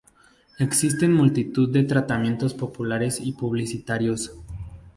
Existen multitud de tratamientos populares y publicitarios.